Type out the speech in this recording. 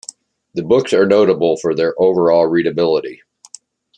The books are notable for their overall readability.